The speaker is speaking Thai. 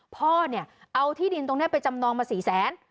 พ่อเนี่ยเอาที่ดินตรงนี้ไปจำนองมา๔แสน